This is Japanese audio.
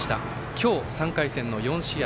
今日、３回戦の４試合。